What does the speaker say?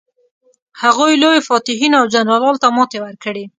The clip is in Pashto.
هغوی لویو فاتحینو او جنرالانو ته ماتې ورکړې.